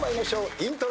イントロ。